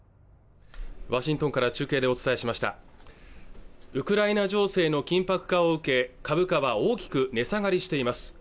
ワシントンから中継でお伝えしましたウクライナ情勢の緊迫化を受け株価は大きく値下がりしています